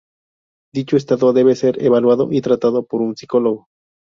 Dicho estado debe ser evaluado y tratado por un psicólogo.